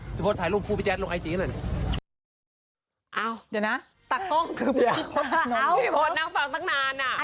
มีบิปเปล่านะ๑บิป่า๑บิปเปล่านะ๑บิปเปล่า